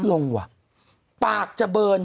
คุณหนุ่มกัญชัยได้เล่าใหญ่ใจความไปสักส่วนใหญ่แล้ว